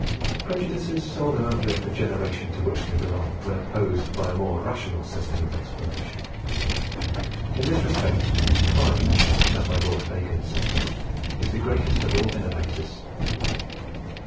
Prejudices seldom outlive the generation to which they belong, when opposed by a more rational system of explanation. In this respect, Time (as my Lord Bacon says) is the greatest of all innovators.